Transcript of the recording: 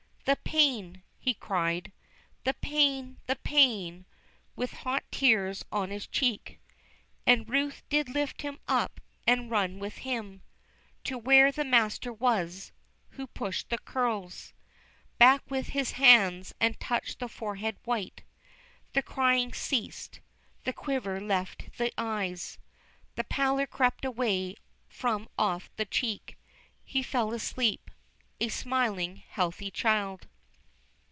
'The pain!' he cried, 'The pain! the pain!!' with hot tears on his cheek, And Ruth did lift him up and run with him To where the Master was, who pushed the curls Back with His hands and touched the forehead white, The crying ceased, the quiver left the eyes, The pallor crept away from off the cheek He fell asleep, a smiling, healthy child.